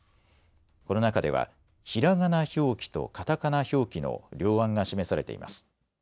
この中ではひらがな表記とカタカナ表記の両案が示されています。